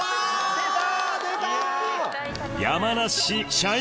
出た！